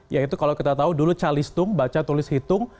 yaitu kalau kita tahu dulu calistung baca tulis hitung